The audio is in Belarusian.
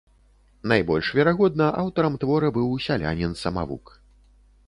Найбольш верагодна, аўтарам твора быў сялянін-самавук.